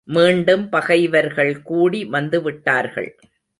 மீண்டும் பகைவர்கள்கூடி வந்துவிட்டார்கள்.